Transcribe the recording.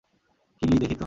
কিলি, দেখি তো।